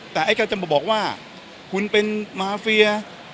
แต่ไอ้กัญชัยจะบอกว่าคุณเป็นมาเฟีย